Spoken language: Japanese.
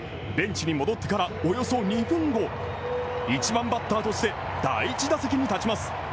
ベンチに戻ってからおよそ２分後、１番バッターとして第１打席に立ちます。